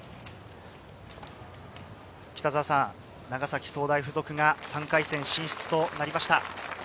長崎総大附属が３回戦進出となりました。